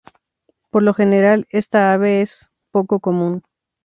Por lo general esta ave es poco común.